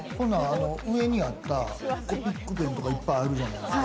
上にあったコピックペンとか、いっぱいあるじゃないですか。